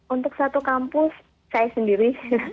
untuk satu kampus saya sendiri